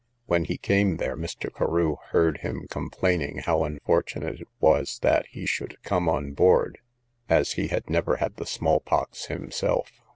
When he came there, Mr. Carew heard him complaining how unfortunate it was that he should come on board, as he had never had the small pox himself.